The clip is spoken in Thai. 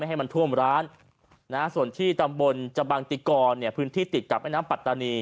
ให้มันท่วมร้านส่วนที่ตำบลจบังติกรเนี่ยพื้นที่ติดกับแม่น้ำปัตตานี